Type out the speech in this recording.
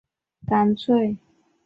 特点是口感干香酥脆。